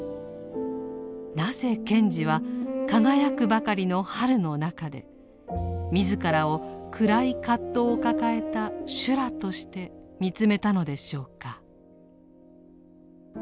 なぜ賢治は輝くばかりの「春」の中で自らを暗い葛藤を抱えた「修羅」として見つめたのでしょうか。